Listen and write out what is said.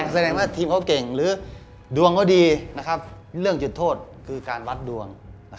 แสดงว่าทีมเขาเก่งหรือดวงเขาดีเรื่องจุดโทษคือการวัดดวง